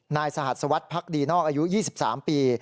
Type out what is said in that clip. นายสหัสสวัสดิพักดีนอกอายุ๒๓ปี